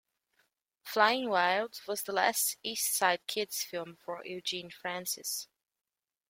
"Flying Wild" was last East Side Kids film for Eugene Francis.